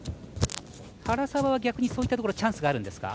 原沢はそういったところチャンスがあるんですか。